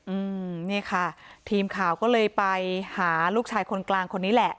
อืมนี่ค่ะทีมข่าวก็เลยไปหาลูกชายคนกลางคนนี้แหละ